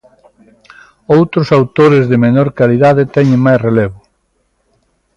Outros autores de menor calidade teñen máis relevo.